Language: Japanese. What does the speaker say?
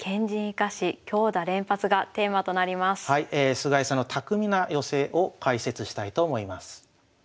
菅井さんの巧みな寄せを解説したいと思います。